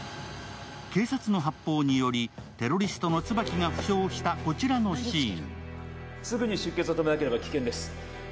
警察の発砲により、テロリストの椿が負傷したこちらのシーン。